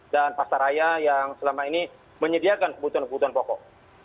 dan pasaraya yang selama ini menyediakan kebutuhan kebutuhan pokok